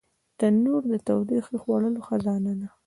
تنور د تودو خوړو خزانه ده